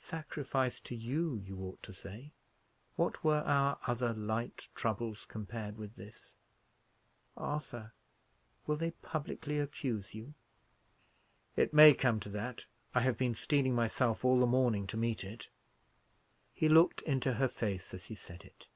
"Sacrifice to you, you ought to say. What were our other light troubles, compared with this? Arthur, will they publicly accuse you?" "It may come to that; I have been steeling myself all the morning to meet it." He looked into her face as he said it.